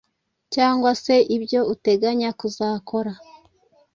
cyangwa se ibyo uteganya kuzakora.